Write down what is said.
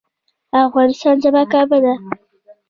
افغانستان زما کعبه ده